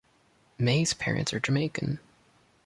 May's parents are Jamaican.